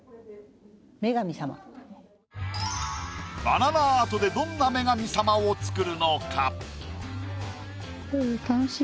バナナアートでどんな女神様を作るのか？